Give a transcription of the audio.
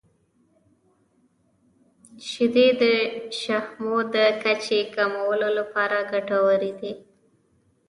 • شیدې د شحمو د کچې کمولو لپاره ګټورې دي.